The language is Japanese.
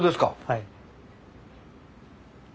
はい。